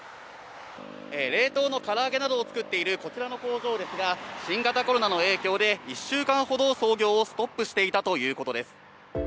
冷凍のから揚げなどを作っているこちらの工場ですが新型コロナの影響で１週間ほど操業をストップしていたということです。